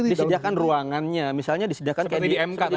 bukan posisi disediakan ruangannya misalnya disediakan seperti di mk